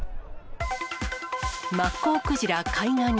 マッコウクジラ、海岸に。